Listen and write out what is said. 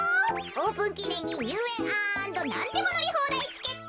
オープンきねんににゅうえんアンドなんでものりほうだいチケット